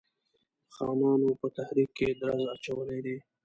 خانانو په تحریک کې درز اچولی دی.